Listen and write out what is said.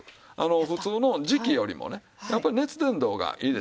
普通の磁器よりもねやっぱり熱伝導がいいでしょう。